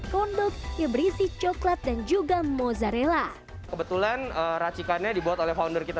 kondok yang berisi coklat dan juga mozzarella kebetulan racikannya dibuat oleh founder kita